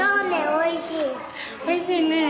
・おいしいねえ。